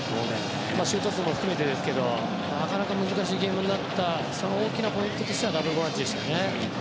シュート数も含めてですがなかなか難しいゲームになったその大きなポイントがダブルボランチでしたよね。